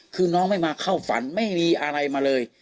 คือน้องไม่มาเข้าฝันไม่มีอะไรมาเลย